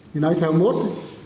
thì nói theo mốt